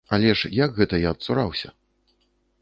Але ж як гэта я адцураўся?